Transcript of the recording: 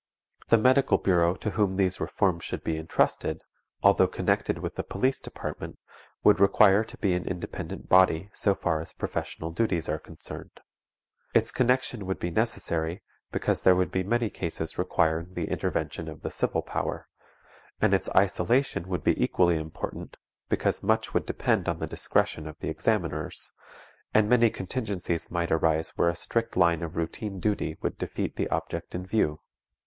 The Medical Bureau to whom these reforms should be intrusted, although connected with the Police Department, would require to be an independent body so far as professional duties are concerned. Its connection would be necessary, because there would be many cases requiring the intervention of the civil power; and its isolation would be equally important, because much would depend on the discretion of the examiners, and many contingencies might arise where a strict line of routine duty would defeat the object in view.